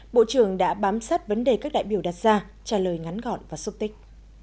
bộ trưởng đã bám sát vấn đề các đại biểu đặt ra trả lời ngắn gọn và xúc tích